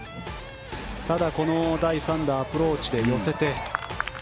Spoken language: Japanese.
ただ、この第３打アプローチで寄せて。